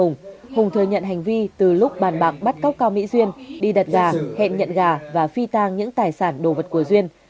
hùng thừa nhận hành vi từ lúc bàn bạc bắt cóc cao mỹ duyên đi đặt gà hẹn nhận gà và phi tang những tài sản đồ vật của duyên